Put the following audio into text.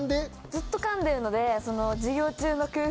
ずっと噛んでるので。